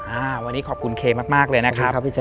อ่าวันนี้ขอบคุณเคมากเลยนะครับพี่แจ